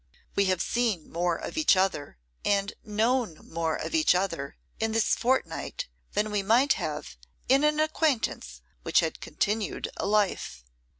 'We have seen more of each other, and known more of each other, in this fortnight, than we might have in an acquaintance which had continued a life.